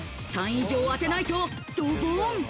３位以上を当てないとドボン。